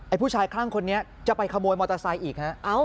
ผู้ชายคลั่งคนนี้จะไปขโมยมอเตอร์ไซค์อีกฮะ